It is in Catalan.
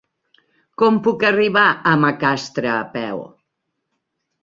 Com puc arribar a Macastre a peu?